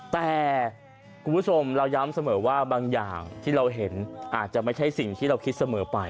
แต่คุณผู้ชมเราย้ำเสมอว่าบางอย่างที่เราเห็นอาจจะไม่ใช่สิ่งที่เราคิดเสมอไป